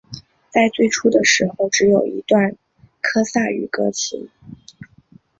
在最初的时候只有一段科萨语歌词。